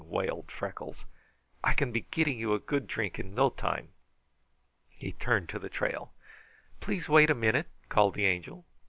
wailed Freckles. "I can be getting you a good drink in no time." He turned to the trail. "Please wait a minute," called the Angel.